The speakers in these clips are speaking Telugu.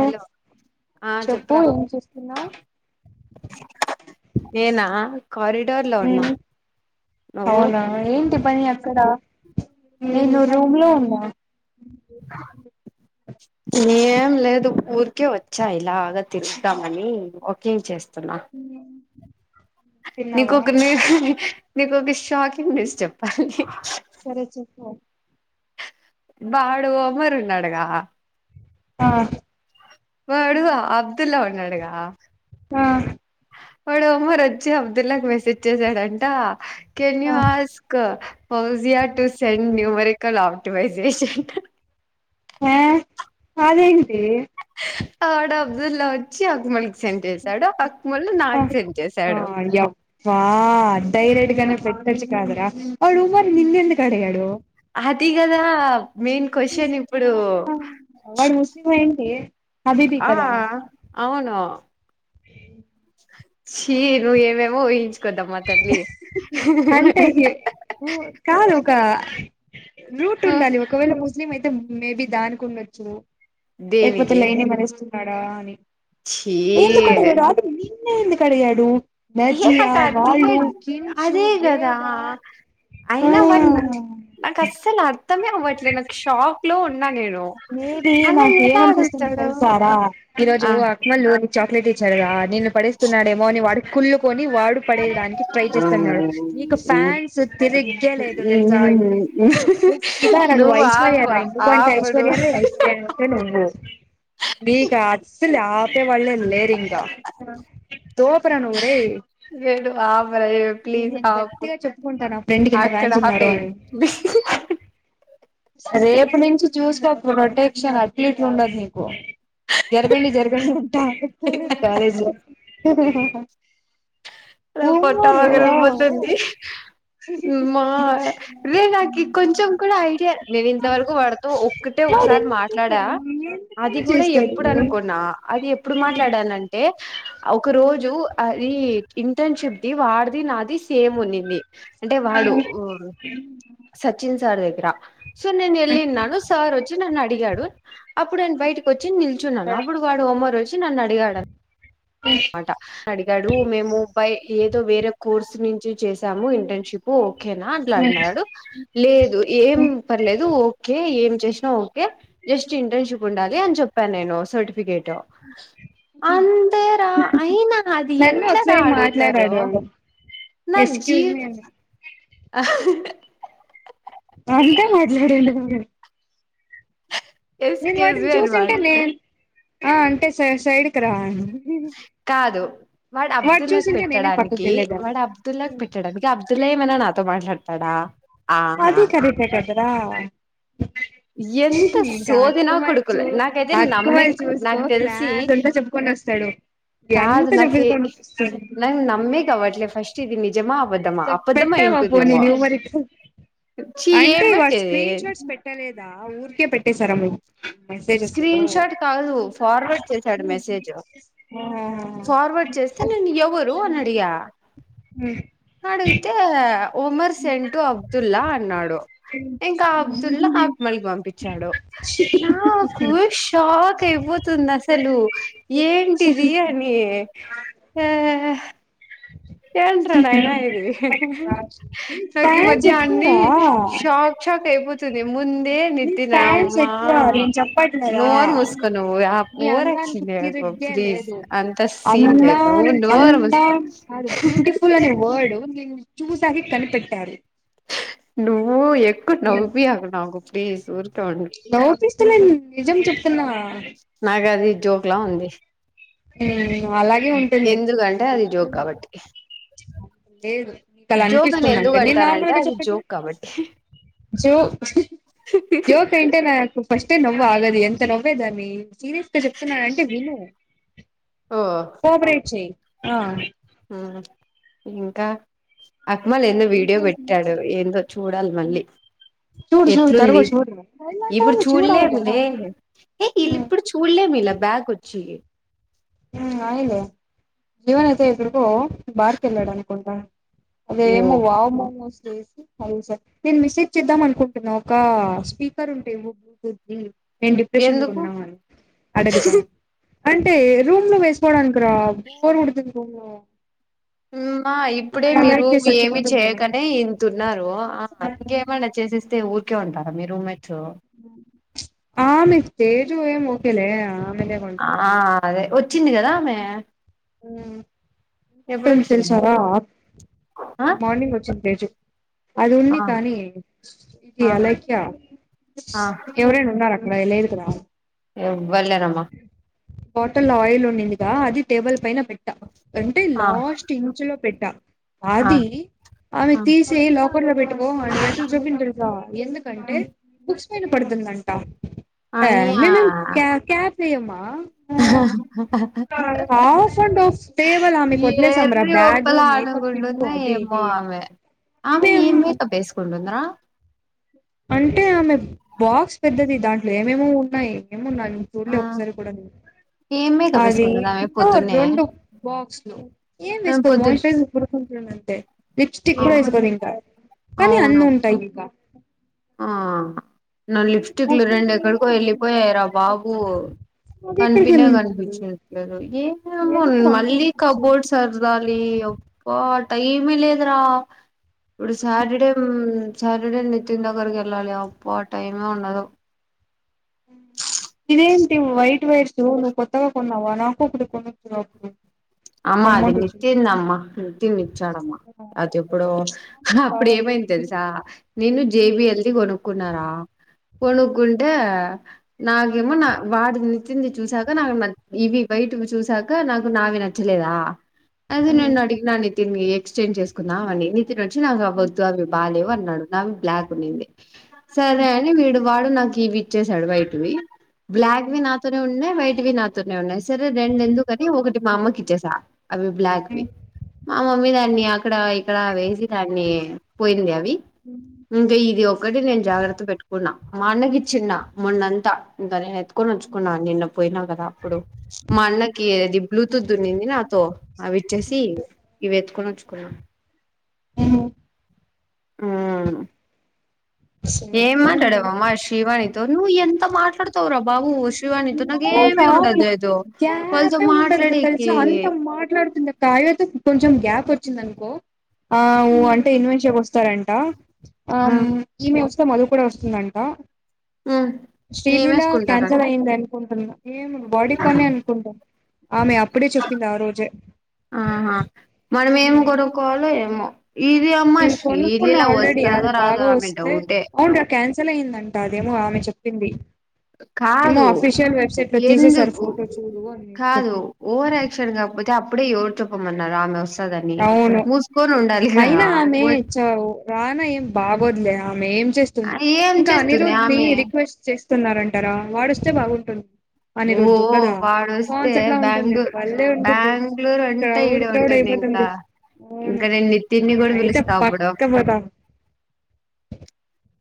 హలో ఆ చెప్పు చెప్పు్రా ఏం చేస్తున్నావు ఏనా నువ్వు అవునా ఏంటి పని అక్కడ నేను రూమ్ లో ఉన్నా న ఏం లేదు ఊరికే వచ్చా ఇలాగ తెస్తామని ఒక్ ఏం చేస్త ఉ నీకుొక నేరు మీకు ఒక షాకింగ్ న్యూస్ చేప్ సరేచ్చ క బాడు అమరు ఉన్నాడుగా ఆ వాడు అబ్దుల్లా ఉం ఏడగా ఆ వాడు ఉమర్ వచ్చిఅబ్దుల్లాకి మెసేజ్ చేసాడంట can uh you ask హౌస్ఆర్ to send new Marikal ఆప్టివైజేషన్ అంట ఆ అదేంటి ఆడ అబ్దుల్లా వచ్చి అకుమల్కి సెంటర్స్ అ యప్ప డైరెడ్గానే పెట్టొచ్చు గాడురా వాడు ఉమర్ నిన్నేందుకు అడిగాడు హథిగదా వాడు ముస్లిమై న్ ఏ ఆ అవును చి నువ్వే ఎమో ఎమె ఊహించు కుద్దమ్మా తల్లి అ కా రూట్ ఉండాలి ఒకవేళ మూస్ ముస్లిం అయితే మేబి దానికి ఉండొచ్చు ఎకపోతే దేనికి లైనే మనస్తంది కడా అని ఛీ ఎందుకట్ట రాత్రి ఇ ఎందుకు అడిగాడు బచ్చియ ఎన్ అదే కదా ఆ అయినా వాడ్ నాకు అస్సలు అర్థమే అవ్వట్లేదు నాకు షాక్ లో ఉన్నా నేను నేది అలా నాకు ఎలా ఏమన్పిస్తుంది అడుగుతాడు తెల్సారా ఈరోజు ఆ అక్మల్ చాక్లలేట్ ఇచ్చాడుగా నిన్ పడిస్తున్నాడేమో అని వాడు కుళ్ల్ కుని వాడు పడేడానికి ట్రై చేస్తున్నాడు. నీకు హ్మ్. ఫ్యాన్స్ తిరుగే లేదు తెలుసా ఇప్పుడు నువు ఫిదా రా నువు నువ్వు ఆపు ఐశ్వర్యారాయ్ నువు అంట ఆపు నువ్వు నీకా అస్సలు ఆ వాళ్ళేం లేరింకా తోపురా నువు ఒరేయ్ ప్లీస్ ఆపు ఇంత అక్కడ ఫ్యాన్స్ ఉన్నారు ఆపెయ్ అని రేపు నుంచి చూసుకో ప్రొటెక్షన్ అట్ల ఇట్ల ఉండదు నీకు. జరగండి జరగండి అంట కాలేజ్ లో హ రేయ్ పొట్ట పగల పోతుంది మ్మా రేయ్ నాకి కొంచం కూడా ఐడియా నేను ఇంతవరకు వాడుతో ఒక్కటే వాడు ఒకసారి ఎందుకు మాట్లాడా, చేస్తాడు అది ఎందుకన్నా కూడా చేస్తాడు ఎప్పుడు అనుకునా అది ఎప్పుడు మాట్లాడాన అంటే? ఒక రోజు ఆ రీ ఇంటర్నిషిప్ ది వాడిది నాది సేమ్ ఉన్నింది. అంటే వాడు సచిన్ సార్ దగ్గర సో నేను ఎళ్ళిన్నాను సార్ వచ్చ్ చి నన్ను అడిగాడు అప్పుడే బయటకి చ్చి నిల్చున్న అప్పుడు వాడు ఒమర్ చ్చి నన్ను అడిగాడు మాట అడిగాడు మేము బై ఏదో వేరే కోర్సు నుంచి చేసాము ఇంటర్నిషిపు ఓకేనా అట్లాన్నాడు లేదు ఏం పర్లేదూ ఓకే ఏం చేసినా ఓకే జస్ట్ ఇంటర్నిషిప్ ఉండాలి అని చెప్పాను నేను సర్టిఫికేటు. అంతే రా అయినా అది నన్ను ఎట్లరా ఒకసారి అడుగుతారు. మాట్లాడాడు వాడు నా ఎక్స్క్యూజ్ మీ జీవ్ అని ఆ అంతా మాట్లాడిండు [unintelligible] నేను ఎక్స్క్యూజ్ వాటిని మీ అని చూసి ఉంటేనే వాడుత ఆ అంటే స సైడ్కి రా అని కాదు వాడు అబ్దుల్లాకు చూసింటే నేనే పెట్టడానికి పక్కకెళ్లేదాన్ని మన నాతో మాట్లాడతాడా ఆహా అదీ కరెక్టే కద్ కదా ఎంత సోదిన అక్కుమల్ చూ కొడుకులే నాకైతే అక్కుమల్ నమ్మేగ్ చూసుకో నాకు తెలిసి క్లాస్ అంతా చెప్పుకొని వస్తాడు కాదు ఎంత నాకే చెప్పుకొని వస్తాడు నాకు నమ్మేగావట్లే ఫస్ట్ ఇది నిజ్ చెప్ పెట్టావా పోనీ న్యూమరిక్స్ ఛీ ఏం అంటే వాడు పెట్టేది స్క్రీన్ షాట్స్ పెట్టలేదా ఆ ఊరికే పెట్టేసారా [unintelligible] స్క్రీన్ షాట్ కాదు ఫార్వర్డ్ చేశాడు మెసేజ్ ఆ ఫార్వర్డ్ చేస్తే నేను ఎవరు అని అడిగా అడిగిత్ తే ఉమర్ సెంటూ అబ్దుల్లా అన్నాడు ఇంకా అబ్దుల్లా అక్మల్ కి పంపించాడు నా కు షాక్ అయిపోతుంది అసలు ఏంటిది అని ఆ ఏంట్రా నాయనా ఇది నాకి థ్యాంక్స్ మధ్య అన్నీ చెప్పురా షాక్ షాక్ ఏముద్ తది ముందే నీ నితిన ఫ్యాన్స్ అమ్మా ఎక్కువ నేను చెప్పట్లేదా నోర్ ముస్కో నువ్వు ఆ నీ ఓవర్ అందానికి యాక్షన్ చేయకు తిరిగ్గే ప్లీజ్ లేదు అంత సీన్ లేదు అందం నోర్ ముస్కో అందం కాదు బ్యూటిఫుల్ అని వర్డ్ ఇపుడు నిన్ను చూసాకే కనిపెట్టారు నువ్వు ఎక్కువ నవ్విపియ్యకు నాకు ప్లీజ్ ఉర్ నవ్వు పిస్తలేన్ నిజం చెప్ నాక్ అది జోక్లా ఉంది మ్మ్ అలాగే ఉంటుంది ఎందుకంటే అది జోక్ కాబట్టి లేదు మీకు అలా జోక్ అని అనిపిస్తుంది ఎందుకు అంతే నేను అంటారంటే నార్మల్గా అది చెప్పట్లే జోక్ కాబట్టి జో జోక్ అంటే నాకు ఫస్టే నవ్వు ఆగది ఎంత నవ్వేదాన్ని సీరియస్ గా చెప్తున్నానంటే విను ఓ కోపరేట్ చేయి ఆ ఆ ఇంకా అక్మల్ ఎన్నో వీడియో పెట్టాడు ఏందో చూడాలి మళ్ళీ చూడు చూడు తరుగు ఎట్లుంది చూడు ఇప్పుడు చూడాలిగా చూడలేములే ఏ ఇళ ఇప్పుడు చూడలేము ఇలా. బ్యాక్ వచ్చి హ్మ్మ్ అయిలే జీవన్ అయితే ఎక్కడికో బార్కెళ్లాడనుకుంటా ఓ అదేమో వామనేసి చేసి అవు సార్ నేను మిసేజ్ చేద్దాం అనుకుంటున్నా ఒక స్పీకర్ ఉంటేవ్వు బ్లూటూత్ ఏం డిప్రెషన్ లో ఎందుకు ఉన్నావా అని అడుగతాం అంటే రూమ్ లో వేసుకోడానుకు రా ఫోన్ లో [unintelligible] హ్మ్మ్ మా ఇప్పుడే మీరు అలాగే ఏమి చచ్చిపోతాం కదా చేయకనే ఇంతూన్నారు ఆ ఇంకేమన్నా చేసేస్తే ఊర్ కే ఉంటారా మీ రూమెట్స్ ఆ మీ తేజు ఏం ఒకేలే ఆ అదే వచ్చింది కదా ఆమె హ్మ్మ్ ఇంకొక టై మీ ఎప్పుడొచ్చింది తెలిసారా ఆ మార్నింగ్ వచ్చింది తేజు అది ఉంది ఆ కానీ ఇది ఆ అలైఖ్య ఆ ఎవరైనా ఉన్నారక్ భయం లేదు కదా వెళ్ళరమా బాటిల్ ఆయిల్ ఉండిందిగా అది టేబుల్ పైన పెట్టా అంటే ఆ లాస్ట్ ఇంచు లో పెట్ట ఆ అది ఆమె ఆ తీసి లాకర్ లో పెట్టుకో అని ఏట్ట చెప్పింది తెలుసా ఎందుకంటే బుక్స్ పైన పడుతుంది అంట ఆ అయ్యా నేనేం కా క్యాప్ చేయమ్మా హాఫ్ అండ్ హాఫ్ టేబుల్ ఆమెకు వదిలేసాం రా ఏరి బ్యాగు ఒప్పలా మేకప్ కిట్టు అనుకుంటంద అది ఏమో ఇది ఆమె ఆమె ఏం మేం మేకప్ ఏసుకుంటందిరా. అంటే ఆమె బాక్స్ పెద్దది దాంట్లో ఏమేమో ఉన్నాయి ఏమున్నా అని ఆ చూడలే ఒకసారి కూడా నేను ఏం మేకప్ అది వేసుకుంటదామె ఇంకా పొద్దున్నే రెండు బాక్స్లు ఏం ఆ వేస్బపోదు పొద్దు మాయిశ్చరైసర్ కొనుక్కుంటుంది అంతే లిప్స్టిక్ ఆ కూడా ఏస్కోదు ఇంకా కానీ అవును అన్ని ఉంటాయి ఆ లిప్స్టిక్లు రెండు పోసుకుంటుందేమో ఎక్కడికో వెళ్ళిపోయాయి రా బాబు అది ఎక్కడికి కనిపిన వెళ్ళింటుంది కనిపించట్లేదు ఏమేమో ఎందుకు అంత మళ్ళీ అనిపించేది కబోర్డ్ సరదాలి ఓ గాడ్. అ ఏమి లేద్రా [inaudible] సాటడే రీడ [inaudible] పుటిన్ దగ్గరకి వెళ్ళాలి అప్పు ఆ టైమే ఉండదు ఇదేంటి వైట్ వైట్స్ నువ్వు కొత్తగా కొన్నావా నాకు ఒకటి కొనొచ్చుగ అప్పుడు అమ్మా అది అమౌంట్ ఇచ్చి నిచ్చంద అమ్మా నిత్యందిచ్చాడమ్మా అది ఎప్పుడు అప్పుడు కావాలి ఏమైంది తెలుసా నేను జేబి ఎల్ది కొనుక్కున్నారా కొనుక్కుంటే నాగేమో నా వాట్ నచ్చంది చూసాక నాకు ఇవి బయటి చూసి సకా నాగు నావ న చలేదా అది ఉహు. నేను అడిగ నా నితిన్ ని ఎక్స్చెండ్ చేసుకున్నాం అని [inaudible] బాలేవన్ నడు లేకున్నింది సరే అని వీడు వాడు నాక్ విచ్చే సాడ్ వైట్ వి బ్లాక్ వి నాతోనే ఉ వయటివి నాతోనే ఉన్నాయి సరే రెండ్ ఎందుకు క ఒకటి సా అవి బ్లాక్ వి మా మమ్మీ దా అక్కడా ఇక్కడా వేసి దాన్ని పోయింది అవి ఇంకా ఇది ఒకటి నేను జాగ్రత్త పెట్టుకున్నా మాన్నగి చిన్న మొణ్నంత ఇంక నె హతు ఒచుకున్నా నిన్న పోయినా కదా అప్పుడు మా అన్న అది బ్లూతూత్ తున్నింది నాతో అవిచ్చేసి ఇవి ఎత్తుకొని వచ్చు కుకు్ర మ్ ఆ ఏం మాట్లాడవ్ సరిపోయింది అమ్మా శివాని నువ్వు ఎంత మాట్లాడతవ్ రా బాబూ వాళ్ళతో గ్యాపే ఉండదు తెలిస మాట్లాడేకి అంత మాట్లాడుతుండె కాయతో కొంచెం గ్యాప్ వచ్చిందనుకో ఆఊ అంటే ఇన్వెంట్ చెపు వస్తాడ్ ఆ అం ఈమె వ సో మదు కూడ వస్తుందంట శ్రీలీలా నేమేసుకుంటారా క్యాన్సల్ అయింద కొంటన్న ఏమో బాడీ కొనే అనుకుంటా ఆమె అప్పుడే చెప్పింది ఆ రోజే ఆహా మనం ఏమి గోడుక్కోల్లో ఏమో ఇది అమ్మ నేను కొనుకున్నా శ్రీలీల ఆల్రెడీ అది వస్తదో రాదో బాగా ఆమె వస్తే డౌటే అవునురా క్యా న్సిల్ అయిందం అదేమో ఆమె చెప్పింది. ఏమో కాదు అఫీషియల్ వెబ్సైట్లో, తీసే సారు ఎందుకు ఫోటో చూడు అని కాదు చెప్పింది. ఓవర్ యాక్షన్ కాకపోతే అప్పుడే ఎవరు చెప్పమన్నారు ఆమె వస్ మ్ అవును అయినా ఆమె చ్చవు ఆమె ఏం బాగోద్లే ఆమెఏం చెస్తుంది ఏం ఇంకా చేస్తుంది నిరోద్ ని ఆమె రిక్వెస్ట్ చే వస్తున్నారంటారా వాడొస్తే బాగుంటుం ఓ ఓ వాడొస్తే లా ఉంటుంది బ్యాంగ్లూర్, భలే ఉంటుంది బ్యాంగ్లూర్ అంతా క్రౌడ్ ఇడే క్రౌడ్ ఉంటుంది. ఇం కా అయిపోతుంది ఇంక అవును నేను నితిన్ గుడా నేనైతే పిలుస్తా. అప్పుడు పక్క పోతా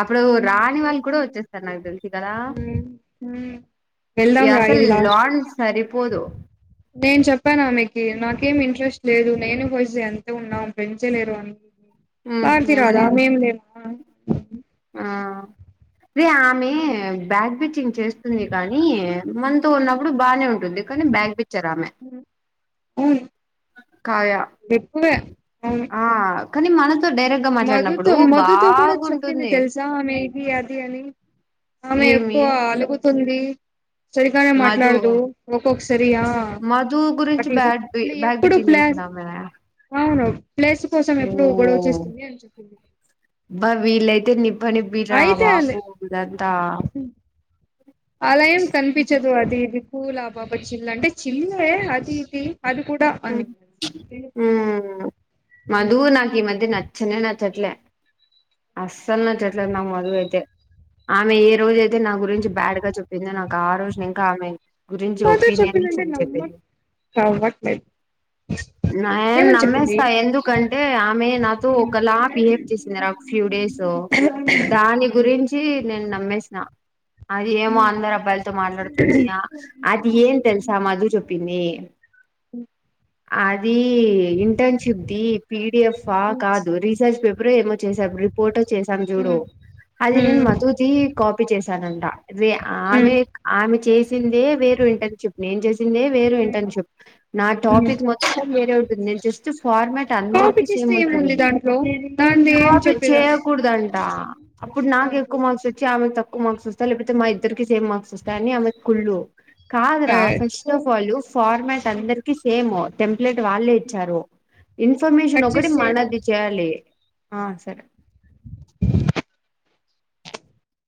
అప్పుడు రాని వాళ్ళు కూడా వ చేస్తన్నావ్ తెలిసి గదా ద్దాం రా ఇది లాస్ట్ నేను చెప్పానామికి నాకేం ఇంట్రెస్ట్ లేదు నేను ఫస్ట్ డే అంతే ఉన్నాం, ఫ్రెండ్స్ ఎ లేరు అని. ఉ భారతి రాదా ఇంకేమన్నారు మేం లేమా ఆ తె ఆమె బ్యాక్ బిచింగ్ చేస్తుంది. కానీ మంతొ ఉన్నప్పుడు బానే ఉంటుంది. కానీ బ్యాక్ బి చరామే ఉయ్ కాయ అవును ఆ కానీ మనది మధుతో, మధుతో కూడా చెప్పింది. తెలుసా! ఆమె ఇది అది అని ఆమె ఏమి ఎక్కువ అలుగుతుంది. సరిగానే మధు మాట్టాడుదు. ఒక్కొక్క సరీయా మధు గురించి అట్ల చెప్ బ్యాడ్ బి లా బ్యాక్ ఎప్పుడు బిచ్చింగ్ ప్లాస్ చేసిందామె అవును. ప్లేస్ కోసం ఎప్పుడు గొడవ చేస్ బా వీలైతే ని మని బిరా అయితే అలే వాకుదాదు తా ఆలయం కనిపించదు అది ఇది కూలా బాబా చిల్ల అంటే చిల్లే అది ఇది అది కూడా మ్ అనింది ఉం మధు నాక ఈ మధ్య నచ్చనేనచ్ చట్లే అస్సలున్న చెట్లే నా మధవు అయితే ఆమె ఏ రోజు అయితే నా గురించి బ్యాడ్ గా చెప్పిందో నాకు ఆ రోజు ఇంకా ఆమె గురించి మధు ఒపీనియన్ చె చెప్పిందంటే చెప్పంది నమ్మకవ్వట్లేదు నేను ఏమని చెప్పింది నమ్మేస్తా ఎందుకంటే ఆమె నాతో ఒకలా బిహేవ్ చేసింది ర ఒక ఫ్యూ డేసు దాని గురించి నేను నమ్మేసిన అది ఏమో అందరు అబ్బాయిలతో మాట్లాడుతుందియా అది ఏం తెలుసా అధు చెప్ పినీ హ ఆ ది ఇంటర్న్షిప్ ది పిడిఎఫ్ ఆ ఉమ్. కాదు రీసెర్చ్ పేపర్ ఏచ్చ స రిపోర్ట్ చేశాం చూడు అది నేను మధుది కా తప్పి చేశానంట అదే ఆమె ఆమె చేసి దె వేరు ఇంటర్న్షిప్ నేం చే దె వేరు ఇంటర్న్షిప్ ఆ టాపిక్ మొత్తం వేరే ఉుంటుంద్ స్ట్ ఫార్మాట్ కాపీ అందరికి సేమ్ చేస్తే ఉంటుంది ఏముంది దాంట్లో దాంది ఏం కాపీ చెప్పేదాన్ని చేయకూడదంట అప్పుడు నాకు ఎక్కువ మార్క్స్ వచ్చి ఆమె తక్కువ ఎక్కు మార్క్స్ వస్తా లేకపోతే మా ఇద్దరికి సేమ్ మార్క్స్ వస్తా అని ఆమె కుళ్ళు కాద్ర ఆ ఫస్ట్ ఆఫ్ ఆల్ ఫార్మ్యాట్ అందరి సేము టెంప్లెట్ వాళ్ళే ఇచ్చారు ఇన్ఫర్మేషన్ కట్ ఒకటి చేసి చేయరా మనది చేయ్యాలి ఆ సరే